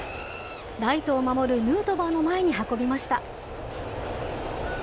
ライトを守るヌートバーの前に運びました。